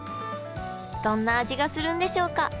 どんな味がするんでしょうか？